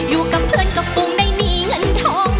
อยู่กับเพื่อนกับตุงได้มีเงินทอง